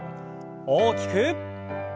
大きく。